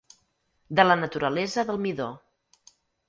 De la naturalesa del midó.